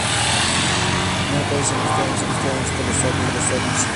El corto original puede ser visto en el segundo disco de "Saw: Uncut Edition".